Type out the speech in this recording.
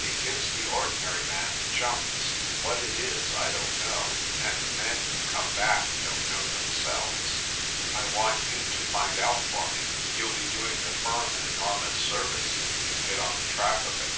It gives the ordinary man the jumps. What it is, I don't know, and the men who come back don't know themselves. I want you to find out for me. You'll be doing the firm an enormous service if you can get on the track of it.